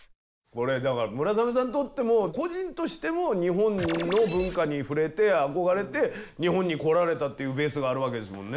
これだから村雨さんにとっても個人としても日本の文化に触れて憧れて日本に来られたというベースがあるわけですもんね。